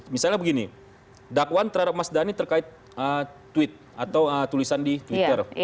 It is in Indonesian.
misalnya begini dakwaan terhadap mas dhani terkait tweet atau tulisan di twitter